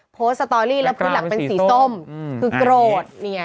สตอรี่แล้วพื้นหลังเป็นสีส้มคือโกรธ